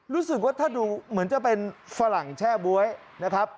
รู้สึกว่าถ้าดูเหมือนจะเป็นฝรั่งแช่บ๊วยนะครับ